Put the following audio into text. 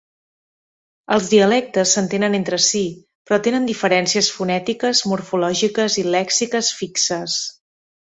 Els dialectes s'entenen entre sí però tenen diferències fonètiques, morfològiques i lèxiques fixes.